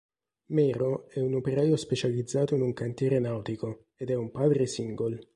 Mero è un operaio specializzato in un cantiere nautico ed è un padre single.